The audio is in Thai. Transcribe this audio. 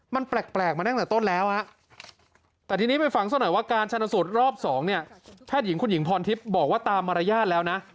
มันแปลกมาตั้งแต่ต้นแล้วนะ